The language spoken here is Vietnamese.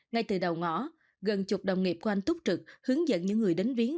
ngay từ đầu ngõ gần chục đồng nghiệp của anh túc trực hướng dẫn những người đến viếng